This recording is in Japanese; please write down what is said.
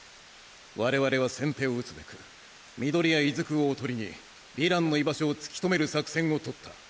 我々は先手を打つべく緑谷出久を囮にヴィランの居場所をつきとめる作戦を取った！